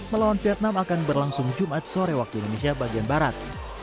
melawan vietnam akan berlangsung jumat sore waktu indonesia bagian barat